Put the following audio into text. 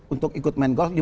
untuk ikut main golf